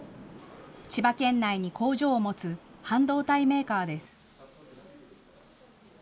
千葉県内に工場を持つ半導体メーカーです。